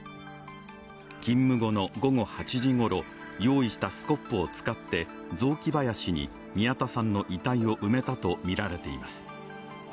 勤務後の午後８時ごろ、用意したスコップを使って雑木林に宮田さんの遺体を埋めたとみられています。